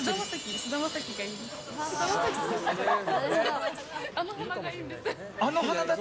菅田将暉がいいです。